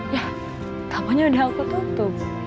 ya kamarnya udah aku tutup